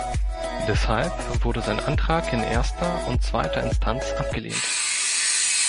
Deshalb wurde sein Antrag in erster und zweiter Instanz abgelehnt.